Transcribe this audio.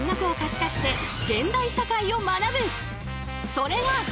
それが。